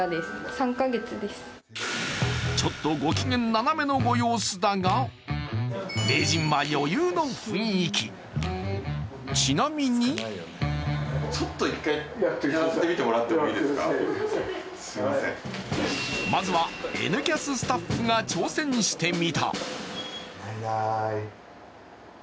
ちょっとご機嫌ななめのご様子だが名人は余裕の雰囲気、ちなみにまずは「Ｎキャス」スタッフが挑戦してみた。